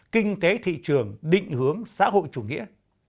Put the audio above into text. kinh tế thị trường định hướng xã hội chủ nghĩa